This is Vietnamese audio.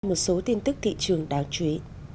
một số tin tức thị trường đáng chú ý